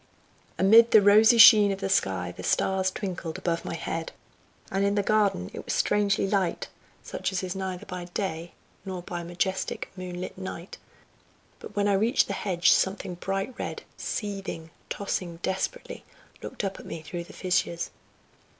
Amid the rosy sheen of the sky the stars twinkled above my head, and in the garden it was strangely light, such as is neither by day, nor by majestic, moon lit night, but when I reached the hedge something bright red, seething, tossing desperately, looked up at me through the fissures.